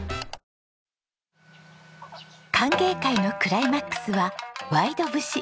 歓迎会のクライマックスは『ワイド節』。